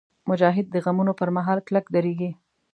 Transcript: مجاهد د غمونو پر مهال کلک درېږي.